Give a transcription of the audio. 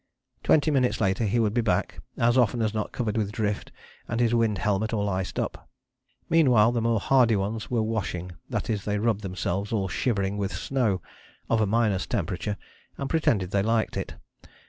Twenty minutes later he would be back, as often as not covered with drift and his wind helmet all iced up. Meanwhile, the more hardy ones were washing: that is, they rubbed themselves, all shivering, with snow, of a minus temperature, and pretended they liked it.